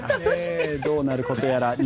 どうなることやら。